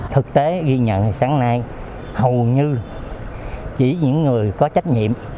thực tế ghi nhận thì sáng nay hầu như chỉ những người có trách nhiệm